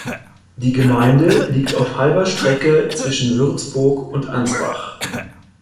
Die Gemeinde liegt auf halber Strecke zwischen Würzburg und Ansbach.